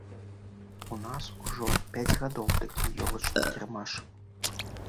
У нас ужо пяць гадоў такі ёлачны кірмаш.